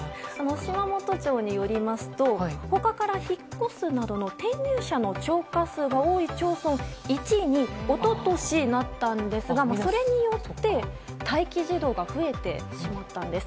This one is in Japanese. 島本町によりますと他から引っ越すなどの転入超過数の多い町村の１位に一昨年、なったんですがそれによって待機児童が増えてしまったんです。